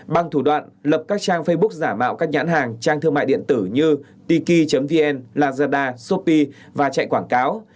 bằng thủ đoạn lập các trang facebook giả mạo các nhãn hàng trang thương mại điện tử như tki vn lazada shopee và chạy quảng cáo